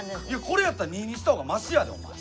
これやったら２にした方がましやでお前。